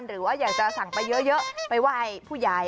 หรือว่าอยากจะสั่งไปเยอะไปไหว้ผู้ใหญ่